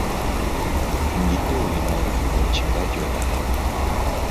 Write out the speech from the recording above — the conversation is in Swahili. Mji huu ni maarufu kwa uchimbaji wa dhahabu.